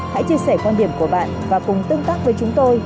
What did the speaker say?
hãy chia sẻ quan điểm của bạn và cùng tương tác với chúng tôi